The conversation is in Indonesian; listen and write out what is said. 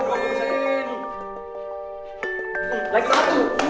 kamu anderson tuh